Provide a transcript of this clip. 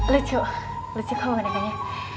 lucu lucu kau menekannya